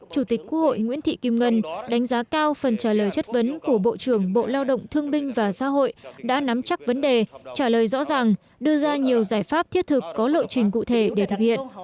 chủ tịch quốc hội nguyễn thị kim ngân đánh giá cao phần trả lời chất vấn của bộ trưởng bộ lao động thương binh và xã hội đã nắm chắc vấn đề trả lời rõ ràng đưa ra nhiều giải pháp thiết thực có lộ trình cụ thể để thực hiện